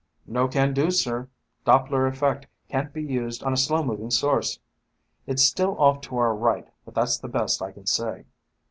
"No can do, sir. Doppler effect can't be used on a slow moving source. It's still off to our right, but that's the best I can say."